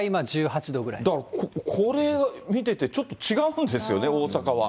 だからこれ見てて、ちょっと違うんですよね、大阪は。